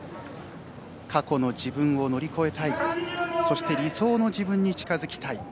過去の自分を乗り越えたいそして理想の自分に近づきたい。